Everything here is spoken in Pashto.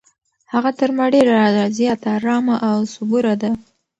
هغه تر ما ډېره زیاته ارامه او صبوره ده.